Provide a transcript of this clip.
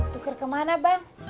tuker kemana bang